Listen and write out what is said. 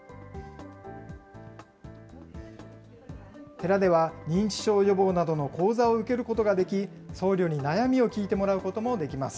寺では認知症予防などの講座を受けることができ、僧侶に悩みを聞いてもらうこともできます。